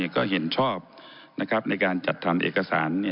ก็เห็นชอบในการจัดทำเอกสาร